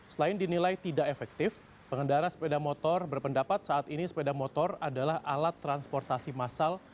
selain dinilai tidak efektif pengendara sepeda motor berpendapat saat ini sepeda motor adalah alat transportasi massal